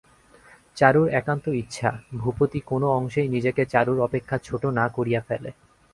চারুর একান্ত ইচ্ছা, ভূপতি কোনো অংশেই নিজেকে চারুর অপেক্ষা ছোটো না করিয়া ফেলে।